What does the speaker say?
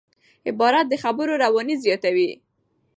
عبارت د خبرو رواني زیاتوي.